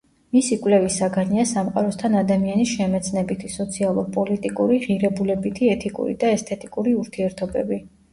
მისი კვლევის საგანია სამყაროსთან ადამიანის შემეცნებითი, სოციალურ-პოლიტიკური, ღირებულებითი, ეთიკური და ესთეტიკური ურთიერთობები.